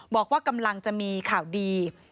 บอกว่ากำลังจะมีข่าวดี